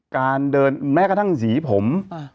การเดินแม้กระทั่งสีผม